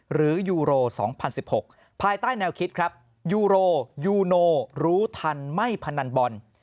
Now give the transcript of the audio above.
ยูโร๒๐๑๖ภายใต้แนวคิดครับยูโรยูโนรู้ทันไม่พนันบอล